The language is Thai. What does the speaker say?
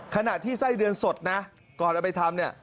ขณะที่ไส้เดือนสดนะก่อนเอาไปทำเนี่ย